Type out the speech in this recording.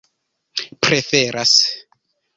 preferas